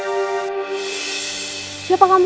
maaf aku salah orang